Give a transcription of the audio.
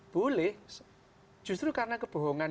boleh justru karena kebohongan